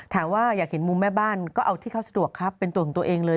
อยากเห็นมุมแม่บ้านก็เอาที่เขาสะดวกครับเป็นตัวของตัวเองเลย